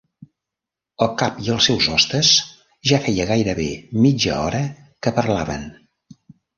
El cap i els seus hostes ja feia gairebé mitja hora que parlaven.